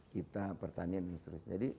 kita pertanian industri jadi